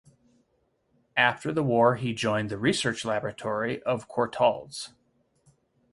After the war he joined the Research Laboratory of Courtaulds.